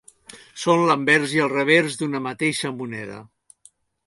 Són l'anvers i el revers d'una mateixa moneda.